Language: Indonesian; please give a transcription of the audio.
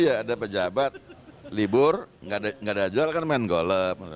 iya ada pejabat libur nggak ada jual kan main golf